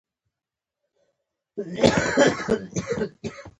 ایا د وینې غوړ مو معاینه کړي دي؟